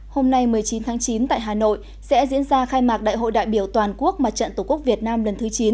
hôm nay một mươi chín tháng chín tại hà nội sẽ diễn ra khai mạc đại hội đại biểu toàn quốc mặt trận tổ quốc việt nam lần thứ chín